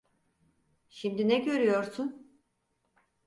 Şimdi ne görüyorsun?